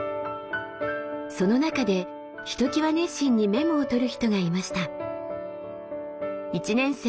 その中でひときわ熱心にメモを取る人がいました。